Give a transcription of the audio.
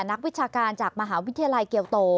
นักวิชาการจากมหาวิทยาลัยเกียวโต